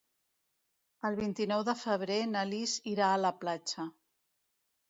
El vint-i-nou de febrer na Lis irà a la platja.